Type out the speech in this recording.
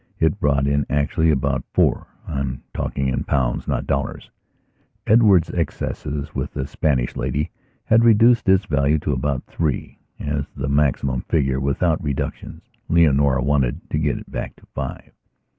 It brought in actually about four. (I am talking in pounds, not dollars.) Edward's excesses with the Spanish Lady had reduced its value to about threeas the maximum figure, without reductions. Leonora wanted to get it back to five.